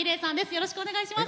よろしくお願いします。